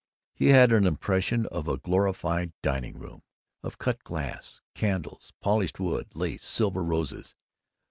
He had an impression of a glorified dining room, of cut glass, candles, polished wood, lace, silver, roses.